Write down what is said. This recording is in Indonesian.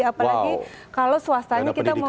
apalagi kalau swastanya kita mau